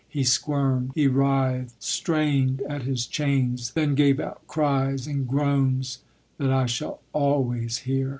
He squirmed, he writhed, strained at his chains, then gave out cries and groans that I shall always hear.